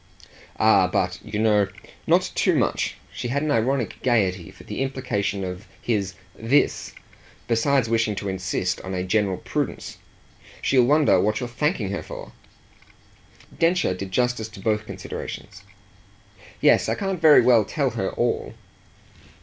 "Ah but, you know, not too much!" She had an ironic gaiety for the implications of his "this," besides wishing to insist on a general prudence. "She'll wonder what you're thanking her for!" Densher did justice to both considerations. "Yes, I can't very well tell her all."